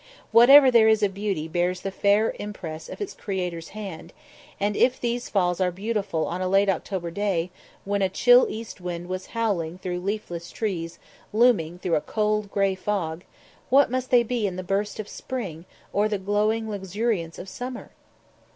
Whatever there is of beauty bears the fair impress of its Creator's hand; and if these Falls are beautiful on a late October day, when a chill east wind was howling through leafless trees looming through a cold, grey fog, what must they be in the burst of spring or the glowing luxuriance of summer?